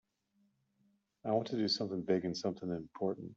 I want to do something big and something important.